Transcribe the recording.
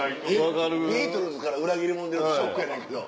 ビートルズから裏切りもん出るのショックやねんけど。